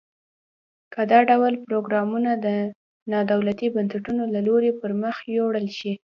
که دا ډول پروګرامونه د نا دولتي بنسټونو له لوري پرمخ یوړل شي.